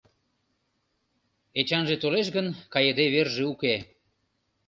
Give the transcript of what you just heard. — Эчанже толеш гын, кайыде верже уке.